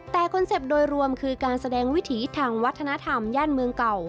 แต่คอนเซ็ปต์โดยรวมคือการแสดงวิถีทางวัฒนธรรมย่านเมืองเก่า